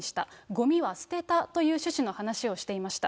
ごみは捨てたという趣旨の話をしていました。